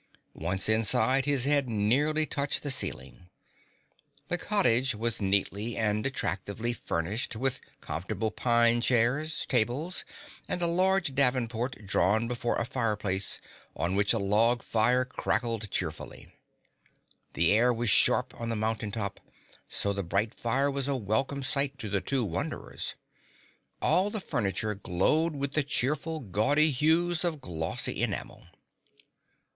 Once inside, his head nearly touched the ceiling. The cottage was neatly and attractively furnished with comfortable pine chairs, tables and a large davenport drawn before a fireplace on which a log fire crackled cheerfully. The air was sharp on the mountain top, so the bright fire was a welcome sight to the two wanderers. All the furniture glowed with the cheerful, gaudy hues of glossy enamel.